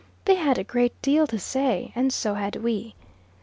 They had a great deal to say, and so had we.